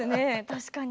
確かに。